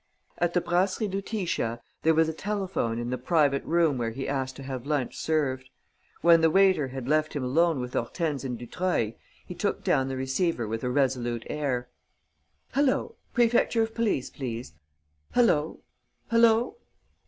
At the Brasserie Lutetia there was a telephone in the private room where he asked to have lunch served. When the waiter had left him alone with Hortense and Dutreuil, he took down the receiver with a resolute air: "Hullo!... Prefecture of police, please.... Hullo! Hullo!...